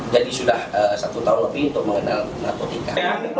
jadi sudah satu tahun lebih untuk mengenal narkotika